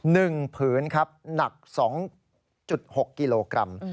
๑ผืนครับหนัก๒๖กิโลกรัม